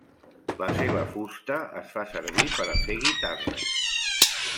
La seva fusta es fa servir per a fer guitarres.